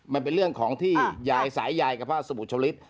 มันเป็นเรื่องของที่ยายสายยายกับพระสมุทริต